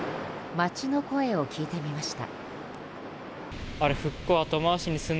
街の声を聞いてみました。